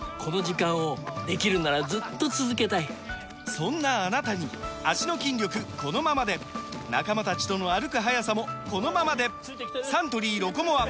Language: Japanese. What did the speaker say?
そんなあなたに脚の筋力このままで仲間たちとの歩く速さもこのままでサントリー「ロコモア」！